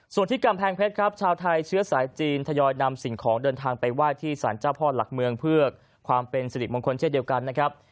ส่วนที่กำแพงเพชรครับชาวไทยเชื้อสายจีนทยอยนำสิ่งของเดินทางไปไหว้ที่สารเจ้าพ่อหลักเมืองเพื่อความเป็นสิริมงคลเช่นเดียวกันนะครับ